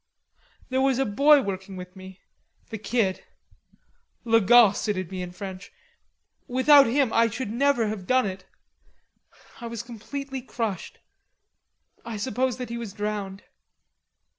"There was a boy working with me, the Kid, 'le gosse,' it'd be in French. Without him, I should never have done it. I was completely crushed.... I suppose that he was drowned....